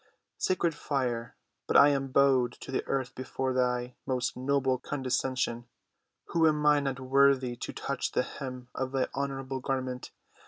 Sacred fire, but I am bowed to the earth before thy most noble condescension, who am not worthy to touch the hem of thy honorable garment.